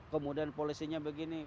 kemudian polisinya begini